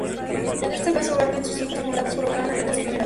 En el caso Garner sus hijos mulatos provocaron el rechazo general.